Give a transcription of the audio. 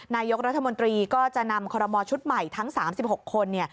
นายกรัฐมนตรีก็จะนำคอรมอลชุดใหม่ทั้ง๓๖คน